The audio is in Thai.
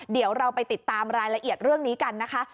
เดี๋ยวเราไปติดตามรายละเอียดเรื่องนี้กันนะคะ